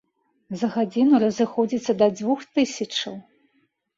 За гадзіну разыходзіцца да дзвюх тысячаў.